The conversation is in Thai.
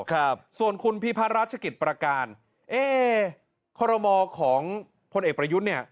ครับส่วนคุณพิพัฒนราชกิจประการเอ๊คอรมอของพลเอกประยุทธ์เนี่ย